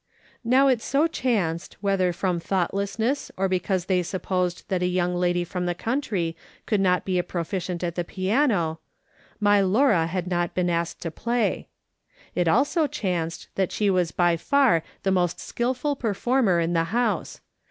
Now it so chanced, whether from thoughtlessness or because they supposed that a young lady from the country wovild not be a proficient at tlie piano, my Laura had not been asked to play ; it also chanced that she was by far the most skilful performer in the house.